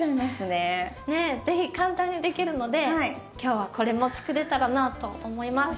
是非簡単にできるので今日はこれも作れたらなと思います。